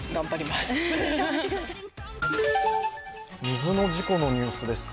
水の事故のニュースです。